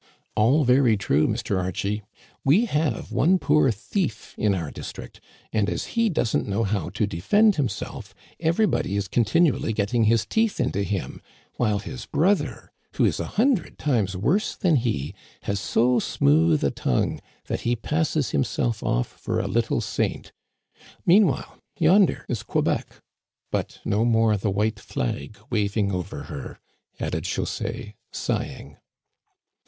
A11 very true, Mr. Archie. We have one poor thief in our district, and as he doesn't know how to defend himself, everybody is continually getting his teeth into him, while his brother, who is a hundred times worse than he, has so smooth a tongue that he passes himself off for a little saint. Meanwhile, yonder is Quebec! But no more the white flag waving over her," added José, sighing.